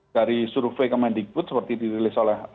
dari survei kemendikbud seperti dirilis oleh